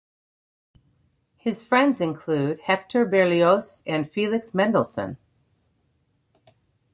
His friends included Hector Berlioz and Felix Mendelssohn.